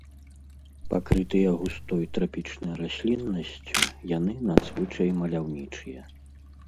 Пакрытыя густой трапічнай расліннасцю, яны надзвычай маляўнічыя.